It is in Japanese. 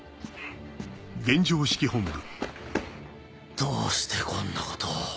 どうしてこんなことを。